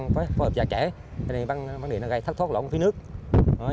phải phù hợp giả trẻ gây thất thoát lõng phía nước